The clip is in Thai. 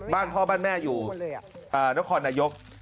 บ้านพ่อบ้านแม่อยู่นครนายก